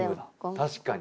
確かに！